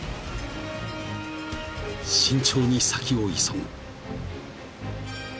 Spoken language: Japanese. ［慎重に先を急ぐ］